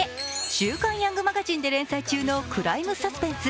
「週刊ヤングマガジン」で連載中のクライムサスペンス